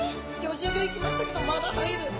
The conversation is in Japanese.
５５いきましたけどまだ入る。